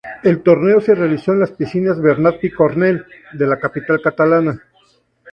El torneo se realizó en las Piscinas Bernat Picornell de la capital catalana.